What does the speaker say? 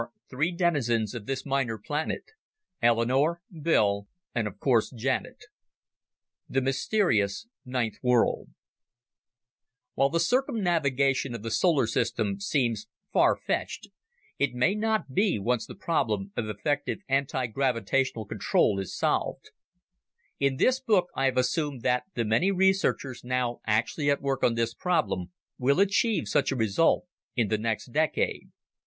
The Museum of Galactic Life About the Author The Mysterious Ninth World While the circumnavigation of the solar system seems farfetched, it may not be once the problem of effective anti gravitational control is solved. In this book I have assumed that the many researchers now actually at work on this problem will achieve such a result in the next decade.